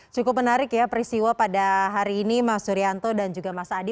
cukup menarik ya peristiwa pada hari ini mas surianto dan juga mas adi